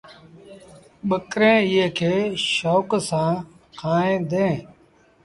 ٻڪريݩ ايئي کي شوڪ سآݩ کائيٚݩ ديٚݩ۔